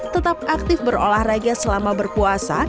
tetap aktif berolahraga selama berpuasa